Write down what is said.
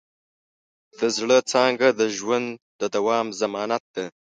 د زړۀ څانګه د ژوند د دوام ضمانت ده.